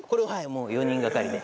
もう４人がかりで。